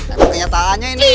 ternyata aja ini